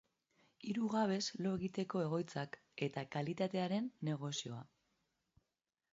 Hiru gauez lo egiteko egoitzak eta karitatearen negozioa.